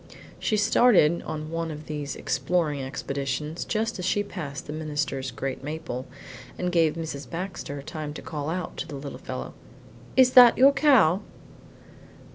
She started on one of these exploring expeditions just as she passed the minister's great maple, and gave Mrs. Baxter time to call out to the little fellow, "Is that your cow?"